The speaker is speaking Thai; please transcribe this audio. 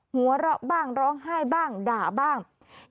หัวเราะบ้างร้องไห้บ้างด่าบ้าง